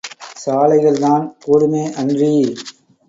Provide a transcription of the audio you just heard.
சாலைகள்தான் கூடுமே அன்றி.